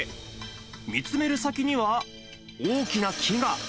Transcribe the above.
見つめる先には、大きな木が。